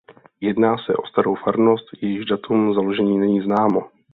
Jedná se o "starou farnost" jejíž datum založení není známo.